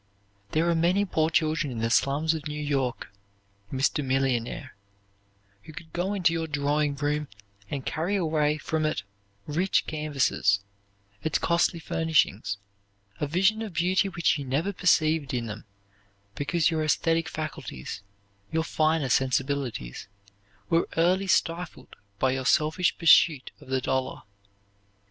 There are many poor children in the slums of New York, Mr. Millionaire, who could go into your drawing room and carry away from its rich canvases, its costly furnishings, a vision of beauty which you never perceived in them because your esthetic faculties, your finer sensibilities, were early stifled by your selfish pursuit of the dollar.